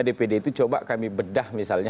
dpd itu coba kami bedah misalnya